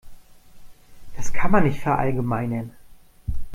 Das kann man nicht verallgemeinern.